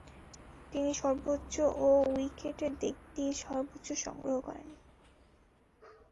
তিনি সর্বোচ্চ ও উইকেটের দিক দিয়ে সর্বোচ্চ সংগ্রহ করেন।